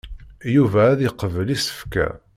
Yuba ad yeqbel isefka.